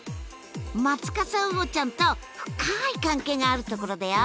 マツカサウオちゃんと深い関係がある所だよ。